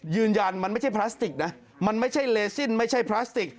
ยืนยันมันไม่ใช่พลาสติกนะมันไม่ใช่เลซินไม่ใช่พลาสติก